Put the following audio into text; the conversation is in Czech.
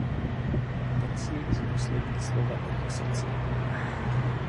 Ten si jejich poslední slova bere k srdci.